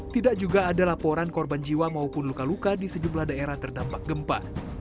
tidak juga ada laporan korban jiwa maupun luka luka di sejumlah daerah terdampak gempa